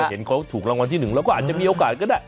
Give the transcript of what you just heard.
เห็นเขาถูกรางวัลที่๑เราก็อาจจะมีโอกาสก็ได้